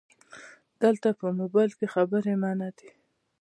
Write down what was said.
📵 دلته په مبایل کې خبري منع دي